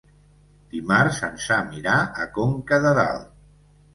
Dimarts en Sam irà a Conca de Dalt.